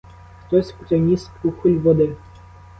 Хтось приніс кухоль води.